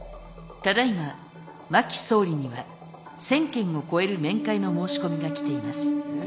ただいま真木総理には１，０００件を超える面会の申し込みが来ています。